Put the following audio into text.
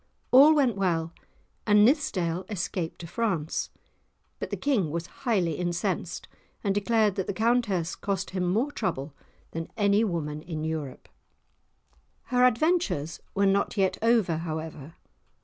All went well, and Nithsdale escaped to France; but the King was highly incensed and declared that the Countess cost him more trouble than any woman in Europe. Her adventures were not yet over, however.